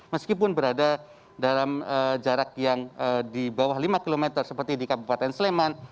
meskipun berada dalam jarak yang di bawah lima km seperti di kabupaten sleman